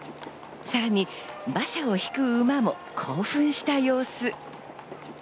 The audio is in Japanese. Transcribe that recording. さらに馬車を引く馬も興奮した様子。